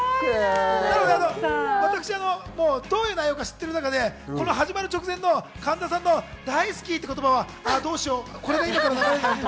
私どういう内容か知ってる中で、始まる直前の神田さんの大好きって言葉をどうしよう、俺から流れるの言って。